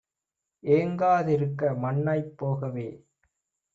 ஏங்கா திருக்க மண்ணாய்ப் போகவே!